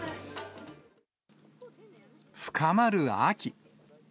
深まる秋。